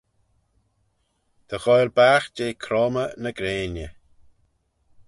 Dy ghoaill baght jeh croymmey ny grainey.